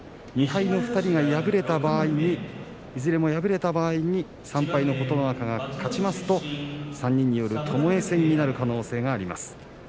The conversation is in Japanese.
２敗の２人が敗れた場合いずれも敗れた場合に３敗の琴ノ若が勝ちますと３人による、ともえ戦になる可能性があります。